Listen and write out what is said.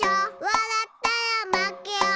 わらったらまけよ。